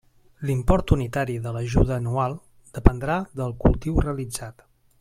L'import unitari de l'ajuda anual dependrà del cultiu realitzat.